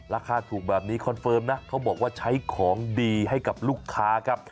ราคาถูกแบบนี้คอนเฟิร์มนะเขาบอกว่าใช้ของดีให้กับลูกค้าครับ